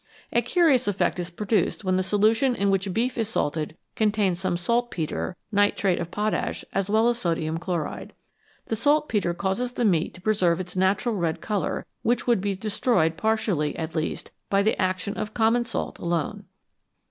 A curious effect is produced when the solution in which beef is salted contains some saltpetre (nitrate of potash) as well as sodium chloride. The saltpetre causes the meat to preserve its natural red colour, which would be destroyed, partially, at least, by the action of common salt alone.